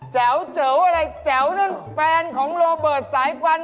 แจ๋วอะไรแจ๋วนั่นแฟนของโรเบิร์ตสายฟัน